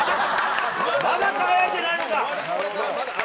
まだ輝いてないのか！